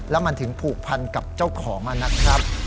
แล้วมันถึงผูกพันกับเจ้าของนะครับ